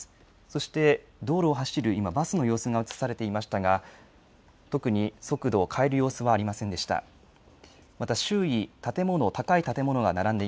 そして、道路を走る今、バスの様子が映されていましたが、特に速度を変える様子はありません。